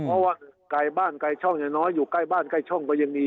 เพราะว่าไก่บ้านไก่ช่องอย่างน้อยอยู่ใกล้บ้านใกล้ช่องก็ยังดี